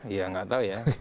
ya nggak tahu ya